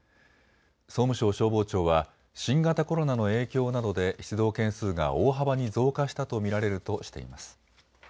総務省消防庁は新型コロナの影響などで出動件数が大幅に増加したと見られるとしています。